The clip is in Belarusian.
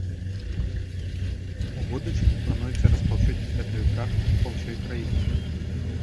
У будучыні плануецца распаўсюдзіць гэтую практыку па ўсёй краіне.